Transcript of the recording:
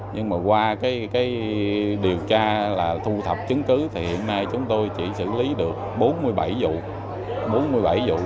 nhưng mà qua điều tra là thu thập chứng cứ thì hiện nay chúng tôi chỉ xử lý được bốn mươi bảy vụ